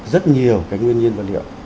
rất nhiều cái nguyên nhiên vật liệu